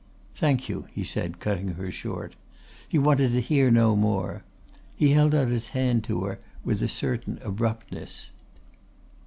"Thank you," he said, cutting her short. He wanted to hear no more. He held out his hand to her with a certain abruptness.